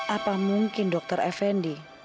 apa mungkin dokter effendi